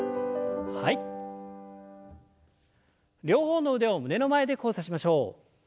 両方の腕を胸の前で交差しましょう。